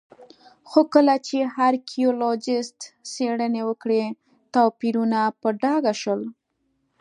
خو کله چې ارکيالوجېسټ څېړنې وکړې توپیرونه په ډاګه شول